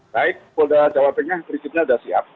baik polda jawa tengah prinsipnya sudah siap